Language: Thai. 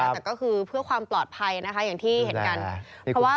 แต่ก็คือเพื่อความปลอดภัยนะคะอย่างที่เห็นกัน